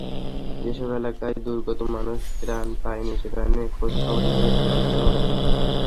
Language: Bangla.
যেসব এলাকায় দুর্গত মানুষ ত্রাণ পায়নি, সেখানে খোঁজখবর নিয়ে ত্রাণ দেওয়া হবে।